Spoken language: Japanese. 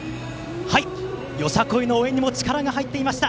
よさこいの応援にも力が入っていました。